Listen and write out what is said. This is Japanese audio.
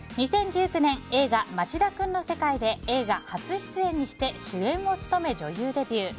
２０１９年映画「町田くんの世界」で映画初出演にして主演を務め女優デビュー。